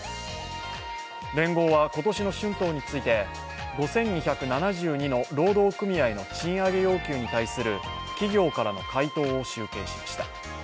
連合は今年の春闘について５２７２の労働組合の賃上げ要求に対する企業からの回答を集計しました。